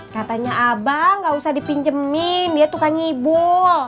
katanya abang gak usah dipinjemin dia tukang ngibul